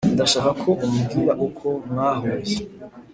ndashaka ko umbwira uko mwahuye